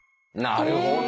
なるほど。